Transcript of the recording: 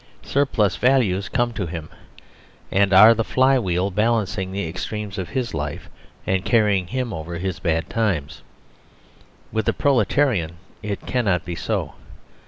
Surplus values come to him, and are the fly wheel balancing theextremes of his life and carry ing him over his bad times. With a proletarian it cannot be so.